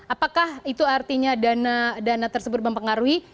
apakah itu artinya dana tersebut mempengaruhi